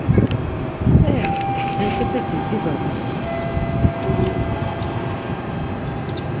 P̌eya hentepeti dibades-i!